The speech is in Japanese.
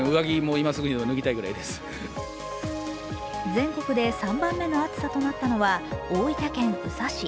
全国で３番目の暑さとなったのは大分県宇佐市。